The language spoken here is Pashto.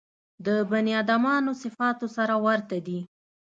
د بني ادمانو صفاتو سره ورته دي.